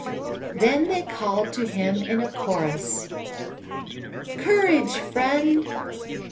Then they called to him in a chorus: "Courage, friend!